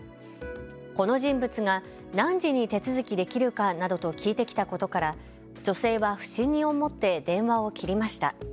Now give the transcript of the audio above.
この人物が何時に手続きできるかなどと聞いてきたことから、女性は不審に思って電話を切りました。